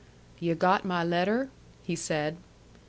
"Yu' got my letter?" he said.